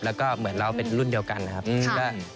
แล้วก็เหมือนเราเป็นรุ่นเดียวกันนะครับ